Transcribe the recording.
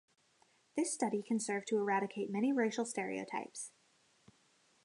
This study can serve to eradicate many racial stereotypes.